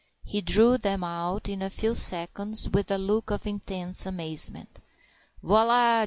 He drew them out in a few seconds, with a look of intense amazement. "Voilà!